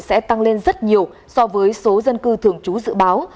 sẽ tăng lên rất nhiều so với số dân cư thường trú dự báo